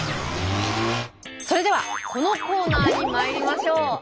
それではこのコーナーにまいりましょう。